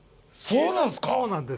そうなんです。